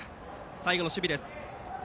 最後の守備の映像です。